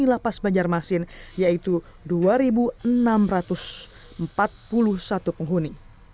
di lapas banjarmasin yaitu dua enam ratus empat puluh satu penghuni